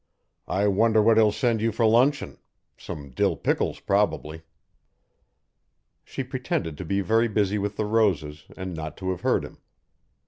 "I wonder what he'll send you for luncheon. Some dill pickles, probably." She pretended to be very busy with the roses, and not to have heard him.